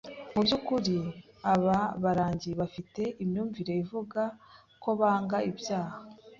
Muby’ukuri aba barangi bafite imyumvire ivuga ko banga ibyaha